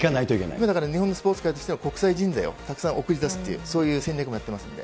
だから日本のスポーツ界としても、国際人材をたくさん送り出すっていう、そういう戦略もやってますんで。